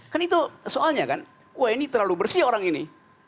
kan itu soalnya kan wah ini terlalu bersih orang ini